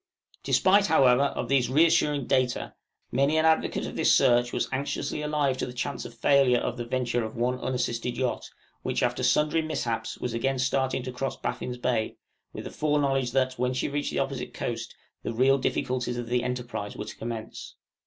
Despite, however, of these re assuring data, many an advocate of this search was anxiously alive to the chance of the failure of the venture of one unassisted yacht, which after sundry mishaps was again starting to cross Baffin's Bay, with the foreknowledge, that when she reached the opposite coast, the real difficulties of the enterprise were to commence.